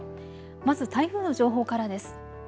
まず台風の情報からです。